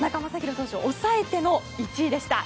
投手を抑えての１位でした。